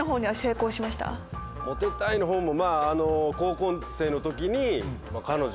モテたいの方も。